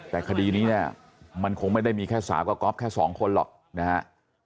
แต่คดีนี้เนี่ยมันคงไม่ได้มีแค่สาวกับก๊อฟแค่สองคนหรอกนะฮะ